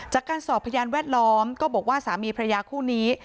จากการสอบพยานแวดล้อมก็บอกว่าสามีพระยาคู่นี้